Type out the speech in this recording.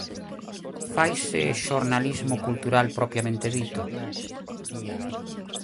Faise xornalismo cultural propiamente dito?